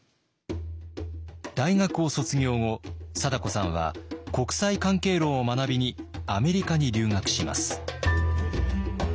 大学を卒業後貞子さんは国際関係論を学びにアメリカに留学します。